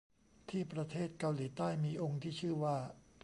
ที่ประเทศเกาหลีใต้มีองค์ที่ชื่อว่า